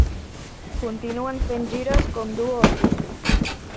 Continuen fent gires com duo acústic.